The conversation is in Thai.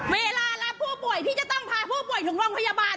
เวลารับผู้ป่วยพี่จะต้องพาผู้ป่วยถึงโรงพยาบาล